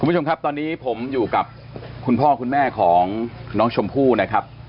คุณผู้ชมครับตอนนี้ผมอยู่กับคุณพ่อคุณแม่ของน้องชมพู่นะครับ